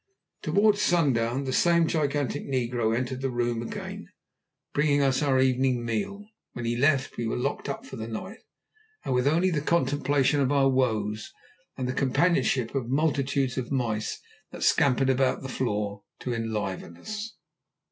Towards sundown the same gigantic negro entered the room again, bringing us our evening meal. When he left we were locked up for the night, with only the contemplation of our woes, and the companionship of the multitudes of mice that scampered about the floor, to enliven us.